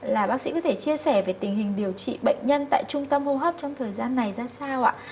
là bác sĩ có thể chia sẻ về tình hình điều trị bệnh nhân tại trung tâm hô hấp trong thời gian này ra sao ạ